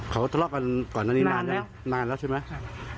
เค้าทะเลาะกันก่อนหน้านี้นานใช่ไหมนานแล้วใช่ไหมค่ะค่ะ